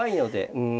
うん。